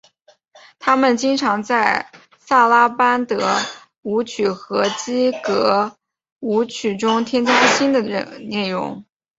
他们经常在萨拉班德舞曲和基格舞曲中增加新的内容。